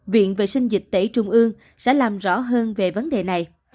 viện vệ sinh dịch tễ trung ương sẽ làm rõ hơn về vấn đề này